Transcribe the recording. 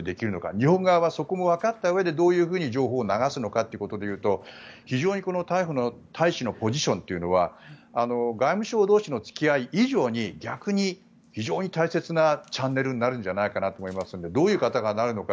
日本側はそこもわかったうえでどう情報を流すのかということで言うと非常にこの大使のポジションというのは外務省同士の付き合い以上に逆に非常に大切なチャンネルになるんじゃないかと思いますのでどういう方がなるのか。